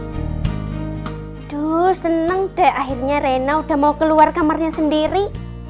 aduh seneng deh akhirnya rena udah mau keluar kamarnya sendiri